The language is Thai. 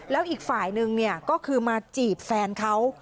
แล้วอีกฝ่ายนึงก็คือมาจีบแฟนเขา